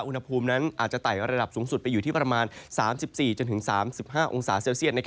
อุณหภูมินั้นอาจจะไต่ระดับสูงสุดไปอยู่ที่ประมาณ๓๔๓๕องศาเซลเซียต